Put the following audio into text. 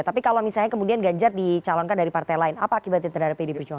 tapi kalau misalnya kemudian ganjar dicalonkan dari partai lain apa akibatnya terhadap pd perjuangan